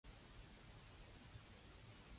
自古以來從來冇落後過